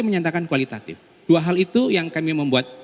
menyatakan kualitatif dua hal itu